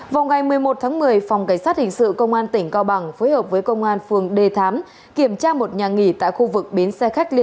vào ngày một mươi một tháng một mươi phòng cảnh sát hình sự công an tỉnh cao bằng phối hợp với công an phường đề thám kiểm tra một nhà nghỉ tại khu vực bến xe khách liên